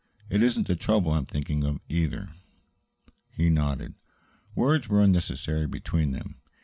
It isn't the trouble I am thinking of either." He nodded. Words were unnecessary between them.